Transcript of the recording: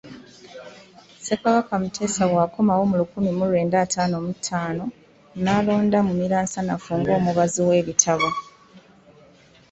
Ssekabaka Muteesa bw’akomawo mu lukumi mu lwenda ataano mu ttaano, n’alonda Mumiransanafu ng'omubazi w’ebitabo.